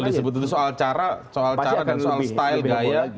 kalau disebut itu soal cara soal cara dan soal style gaya